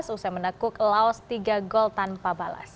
usai menekuk laos tiga gol tanpa balas